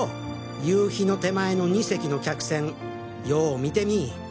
夕陽の手前の２隻の客船よ見てみぃ！